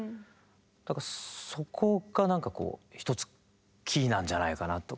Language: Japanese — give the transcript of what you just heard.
だからそこがなんかこうひとつキーなんじゃないかなと。